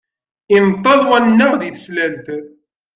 Inṭeḍ wanaɣ di teclalt.